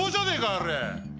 あれ。